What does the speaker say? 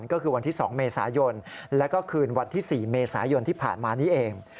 ก็คือวันที่๒เมษายนแล้วก็คืนวันที่๔เมษายนที่ผ่านมานี้เอง